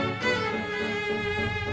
makanya aku pengen kamu ngerti